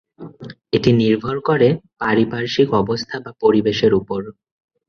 এটি নির্ভর করে পারিপার্শ্বিক অবস্থা বা পরিবেশের উপর।